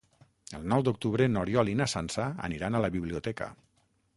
El nou d'octubre n'Oriol i na Sança aniran a la biblioteca.